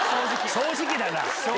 正直だな。